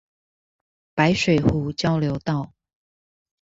白水湖交流道